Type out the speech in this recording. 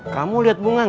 kamu liat bunga gak